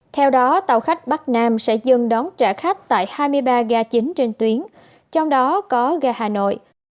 theo đó tàu khách bắc nam sẽ dừng đón trả khách tại hai mươi ba ga chính trên tuyến trong đó có ga hà nội